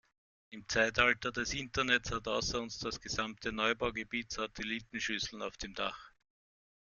Im Zeitalter des Internets hat außer uns das gesamte Neubaugebiet Satellitenschüsseln auf dem Dach.